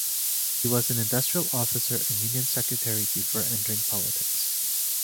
He was an industrial officer and union secretary before entering politics.